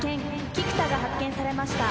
菊田が発見されました。